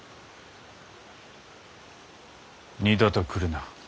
二度と来るな。